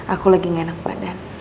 aku lagi gak enak badan